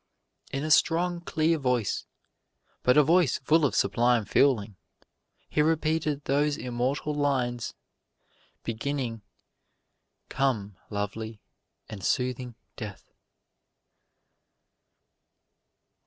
In a strong, clear voice, but a voice full of sublime feeling, he repeated those immortal lines, beginning, "Come, lovely and soothing Death."